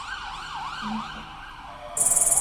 困った